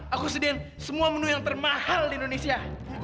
aku sediain semua menu yang termahal di indonesia